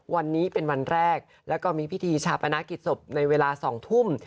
วันนี้เป็นวันแรกแล้วก็มีพิธีชาปนกิจศพในเวลา๒ทุ่ม